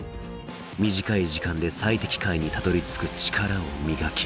短い時間で最適解にたどりつく力を磨き